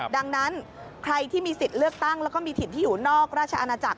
ดังนั้นใครที่มีสิทธิ์เลือกตั้งแล้วก็มีถิ่นที่อยู่นอกราชอาณาจักร